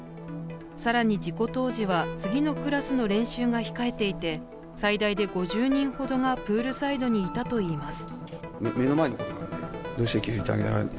更に、事故当時は次のクラスの練習が控えていて最大で５０人ほどがプールサイドにいたといいます。